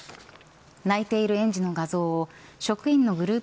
泣いている園児の画像を職員のグループ